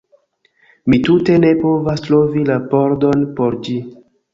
Mi tute ne povas trovi la pordon por ĝi